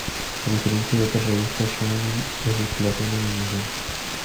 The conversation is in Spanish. A diferencia de otras revistas shonen de circulación en el millón.